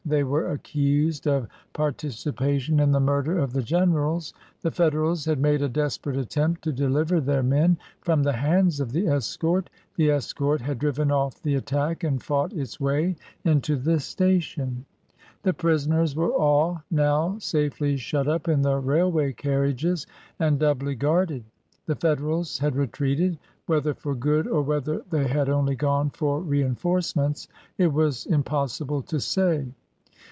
They were accused of parti cipation in the murder of the generals. The Federals had made a desperate attempt to deliver their men from the hands of the escort. The escort had driven off the attack, and fought its way into the station. The prisoners were all now safely shut up in the railway carriages and doubly guarded; the Federals had retreated — whether for good or whether they had only gone for reinforcements it was im possible to say.